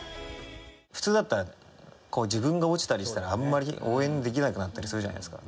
普通だったらこう自分が落ちたりしたらあんまり応援できなくなったりするじゃないですか。